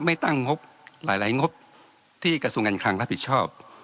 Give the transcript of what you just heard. ตั้งงบหลายงบที่กระทรวงการคลังรับผิดชอบ